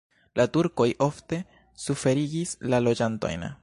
La turkoj ofte suferigis la loĝantojn.